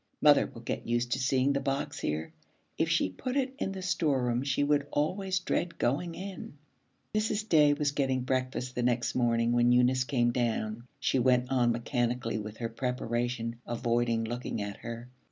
Mother will get used to seeing the box here. If she put it in the storeroom she would always dread going in.' Mrs. Day was getting breakfast the next morning when Eunice came down. She went on mechanically with her preparation, avoiding looking at her.